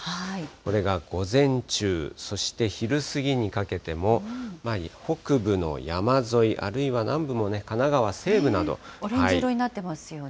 これが午前中、そして昼過ぎにかけても、北部の山沿い、あるいは南部もね、オレンジ色になってますよね。